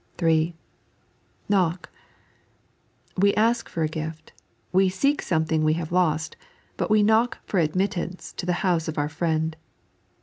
(3) Knock. We ask for a gift ; we seek something we have lost ; but we knock for admittance to the house of our friend.